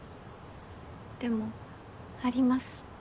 でもあります